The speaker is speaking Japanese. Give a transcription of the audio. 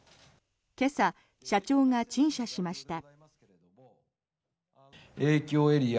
今朝、社長が陳謝しました。